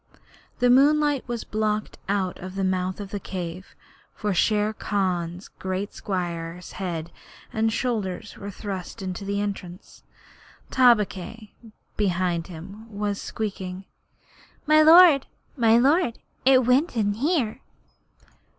The moonlight was blocked out of the mouth of the cave, for Shere Khan's great square head and shoulders were thrust into the entrance. Tabaqui, behind him, was squeaking: 'My lord, my lord, it went in here!'